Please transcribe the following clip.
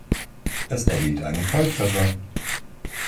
Es erhielt einen Volltreffer.